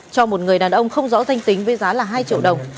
cho một người đàn ông không rõ danh tính với giá là hai triệu đồng